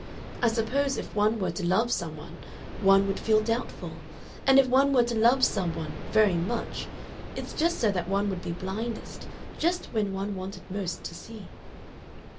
I suppose if one were to love some one, one would feel doubtful. And if one were to love some one very much, it's just so that one would be blindest, just when one wanted most to see."